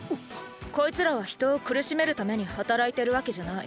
こいつらは人を苦しめるために働いてるわけじゃない。